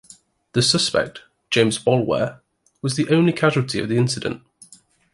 The suspect, James Boulware, was the only casualty of the incident.